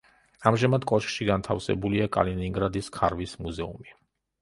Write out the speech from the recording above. ამჟამად კოშკში განთავსებულია კალინინგრადის ქარვის მუზეუმი.